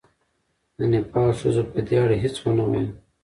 د نېپال ښځو په دې اړه هېڅ ونه ویل.